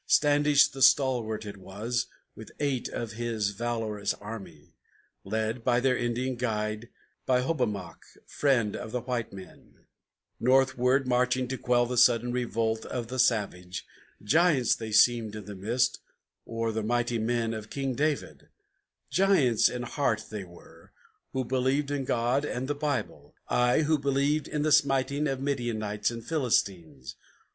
Standish the stalwart it was, with eight of his valorous army, Led by their Indian guide, by Hobomok, friend of the white men, Northward marching to quell the sudden revolt of the savage. Giants they seemed in the mist, or the mighty men of King David; Giants in heart they were, who believed in God and the Bible, Ay, who believed in the smiting of Midianites and Philistines.